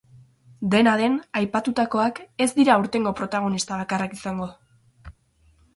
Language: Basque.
Dena den, aipatutakoak ez dira aurtengo protagonista bakarrak izango.